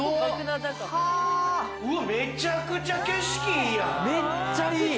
めちゃくちゃ景色いいな！